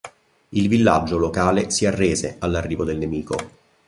Il villaggio locale si arrese all'arrivo del nemico.